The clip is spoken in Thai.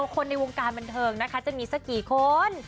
คนในวงการบันเทิงนะคะจะมีสักกี่คน